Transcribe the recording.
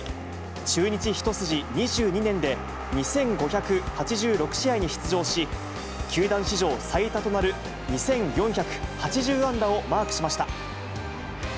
中日一筋２２年で、２５８６試合に出場し、球団史上最多となる２４８０安打をマークしました。